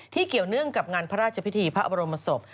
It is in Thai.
เกี่ยวเนื่องกับงานพระราชพิธีพระบรมศพ